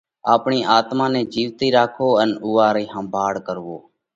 آپڻئہ آتما نئہ جيوَتئِي راکوو ان اُوئا رئِي ۿمڀاۯ ڪروو